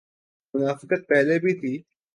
منافقت پہلے بھی تھی۔